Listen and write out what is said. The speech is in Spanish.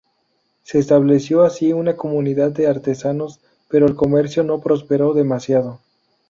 Se estableció así una comunidad de artesanos, pero el comercio no prosperó demasiado.